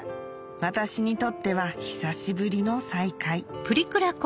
私にとっては久しぶりの再会